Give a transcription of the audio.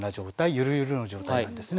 ゆるゆるの状態なんですね。